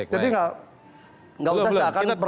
jadi nggak usah seakan pertahankan sekali